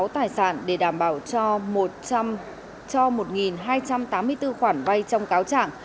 tài sản để đảm bảo cho một hai trăm tám mươi bốn khoản vay trong cáo trạng